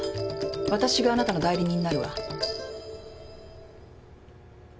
わたしがあなたの代理人になるわ。